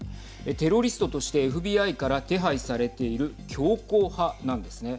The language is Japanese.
テロリストとしてＦＢＩから手配されている強硬派なんですね。